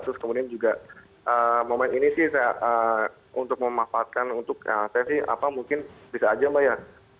terus kemudian juga momen ini sih untuk memanfaatkan untuk saya sih apa mungkin bisa aja mbak ya